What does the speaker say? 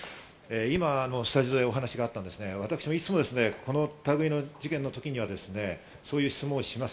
今、スタジオでお話があった、私もいつもこの類の事件の時には、そういう質問をします。